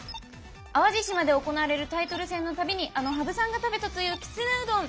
淡路島で行われるタイトル戦の度にあの羽生さんが食べたという「きつねうどん」！